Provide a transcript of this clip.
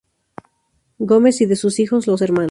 Gómez y de sus hijos, los Hnos.